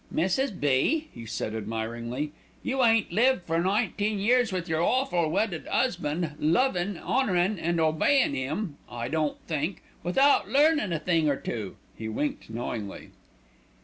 "Mrs. B.," he said admiringly, "you 'aven't lived for nineteen years with your awful wedded 'usband, lovin', 'onourin' an' obeyin' 'im I don't think without learnin' a thing or two." He winked knowingly.